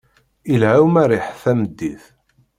Ilha umerreḥ tameddit.